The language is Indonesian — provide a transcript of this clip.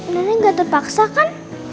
nenek gak terpaksa kan